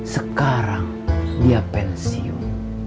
sekarang dia pensiun